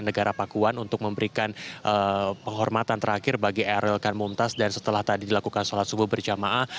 negara pakuan untuk memberikan penghormatan terakhir bagi emeril khan mumtaz dan setelah tadi dilakukan sholat subuh berjamaah